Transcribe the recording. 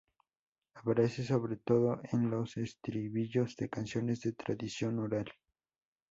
Aparece sobre todo en los estribillos de canciones de tradición oral.